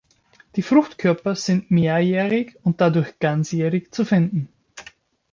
Die Fruchtkörper sind mehrjährig und dadurch ganzjährig zu finden.